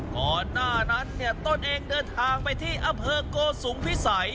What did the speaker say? ก่อนหน้านั้นเนี่ยต้นเองเดินทางไปที่อำเภอโกสุมพิสัย